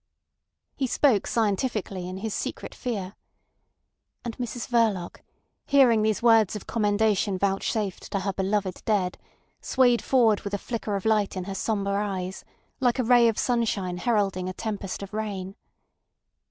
He spoke scientifically in his secret fear. And Mrs Verloc, hearing these words of commendation vouchsafed to her beloved dead, swayed forward with a flicker of light in her sombre eyes, like a ray of sunshine heralding a tempest of rain.